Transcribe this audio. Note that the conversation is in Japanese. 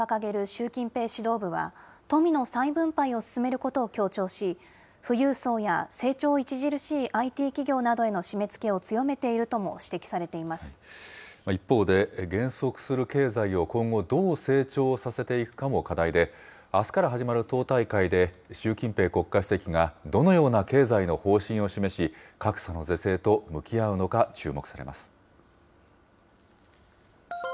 習近平指導部は、富の再分配を進めることを強調し、富裕層や成長著しいＩＴ企業などへの締めつけを強めているとも指一方で、減速する経済を今後どう成長させていくかも課題で、あすから始まる党大会で、習近平国家主席がどのような経済の方針を示し、格差の是正と向き合うのか、注目されます。